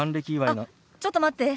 あっちょっと待って。